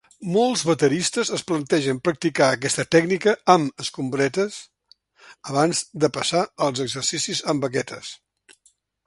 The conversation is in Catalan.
Molts bateristes es plantegen practicar aquesta tècnica amb escombretes abans de passar als exercicis amb baquetes.